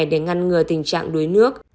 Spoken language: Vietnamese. để ngăn ngừa tình trạng đuối nước